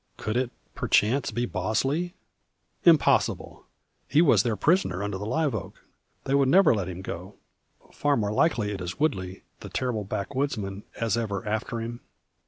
Could it, perchance, be Bosley? Impossible! He was their prisoner under the live oak. They would never let him go. Far more like it is Woodley the terrible backwoodsman, as ever after him?